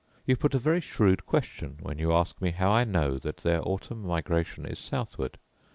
You put a very shrewd question when you ask me how I know that their autumnal migration is southward?